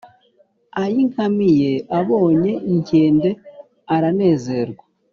ayinkamiye abonya inkende aranezerwa